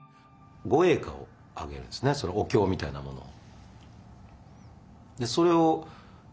お経みたいなものを。